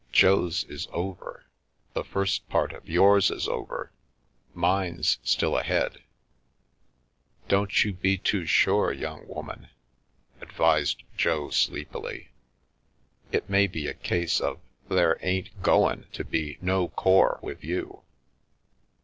Jo's is over. The first part of yours is over. Mine's still ahead." " Don't you be too sure, young woman," advised Jo, sleepily ;" it may be a case of ' there ain't goin' to be no core ' with you